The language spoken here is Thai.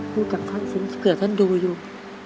พูดกับท่านสูงเผื่อท่านดูอยู่